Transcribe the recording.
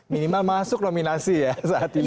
minimal masuk nominasi ya saat ini